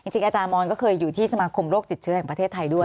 จริงอาจารย์มอนก็เคยอยู่ที่สมาคมโรคติดเชื้อแห่งประเทศไทยด้วย